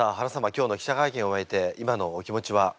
今日の記者会見を終えて今のお気持ちは？